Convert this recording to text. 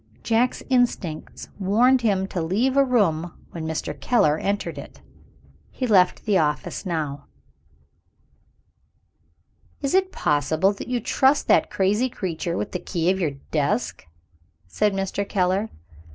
Jack's instincts warned him to leave a room when Mr. Keller entered it. He left the office now. "Is it possible that you trust that crazy creature with the key of your desk?" said Mr. Keller.